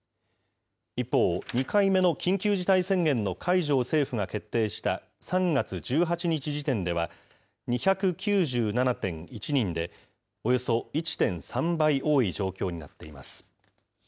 一方、２回目の緊急事態宣言の解除を政府が決定した３月１８日時点では、２９７．１人で、およそ１．３倍多い状況になっています。